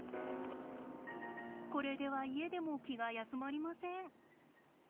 これでは家でも気が休まりません。